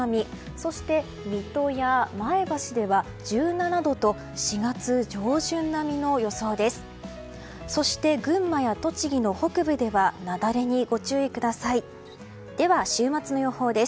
そして水戸や前橋では１７度と４月上旬並みの予想です。